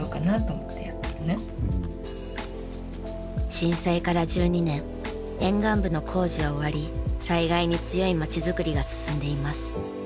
震災から１２年沿岸部の工事は終わり災害に強い町づくりが進んでいます。